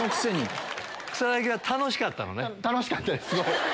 草薙君楽しかったのね。